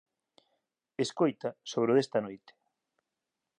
Escoita, sobre o desta noite...